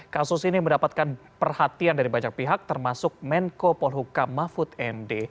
kasus ini mendapatkan perhatian dari banyak pihak termasuk menko polhukam mahfud md